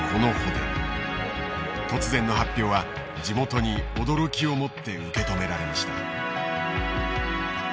突然の発表は地元に驚きをもって受け止められました。